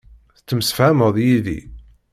Tettemsefhameḍ yid-i.